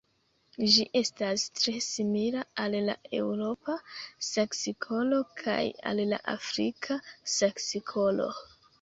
Ĝi estas tre simila al la Eŭropa saksikolo kaj al la Afrika saksikolo.